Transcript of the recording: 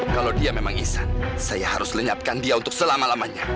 kalau dia memang ihsan saya harus lenyapkan dia untuk selama lamanya